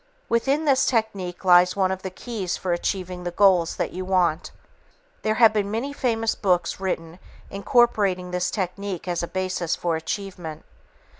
Within this technique lies one of the keys for achieving the goals that you want. There have been many famous books written incorporating this technique as a basis for achievement.